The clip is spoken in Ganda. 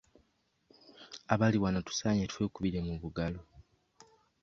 Abali wano tusaanye twekubire mu bugalo.